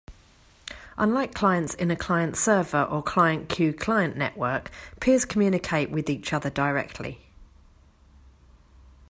Unlike clients in a client-server or client-queue-client network, peers communicate with each other directly.